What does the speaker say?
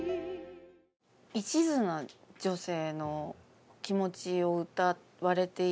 一途な女性の気持ちを歌われているんだな。